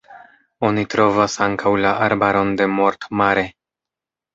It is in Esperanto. Oni trovas ankaŭ la arbaron de Mort-Mare.